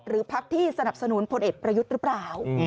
หรือภักดิ์ที่สนับสนุนพลเอ็ดประยุทธ์หรือเปล่า